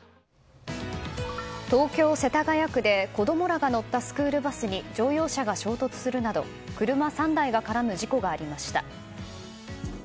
東京・世田谷区で子供らが乗ったスクールバスに乗用車が衝突するなど車３台が絡む事故がありました。